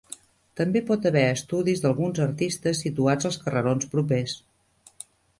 També pot haver estudis d"alguns artistes situats als carrerons propers.